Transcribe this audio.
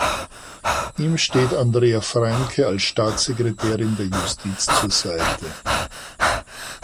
Ihm steht Andrea Franke als Staatssekretärin der Justiz zur Seite.